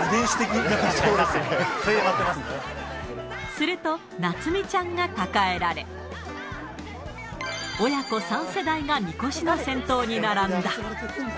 すると、夏美ちゃんが抱えられ、親子３世代がみこしの先頭に並んだ。